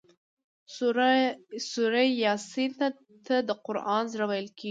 سورة یس ته د قران زړه ويل کيږي